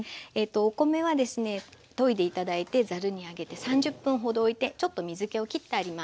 お米はですねといで頂いてざるに上げて３０分ほどおいてちょっと水けを切ってあります。